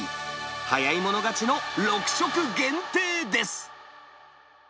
早い者勝ちの６食限定です。